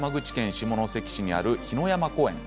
下関にある火の山公園